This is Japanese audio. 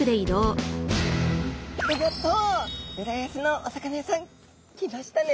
浦安のお魚屋さん来ましたね。